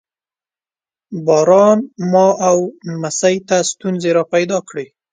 باران ما او نمسۍ ته ستونزې را پیدا کړې.